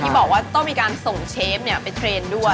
ที่บอกว่าต้องมีการส่งเชฟเนี่ยไปเทรนด้วย